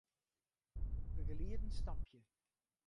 Begelieden stopje.